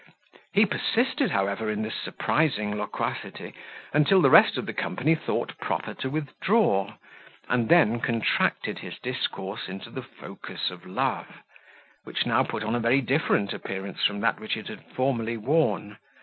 He persisted, however, in this surprising loquacity, until the rest of the company thought proper to withdraw, and then contracted his discourse into the focus of love, which now put on a very different appearance from that which it had formerly worn.